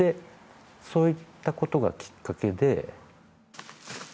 そういったことがきっかけで。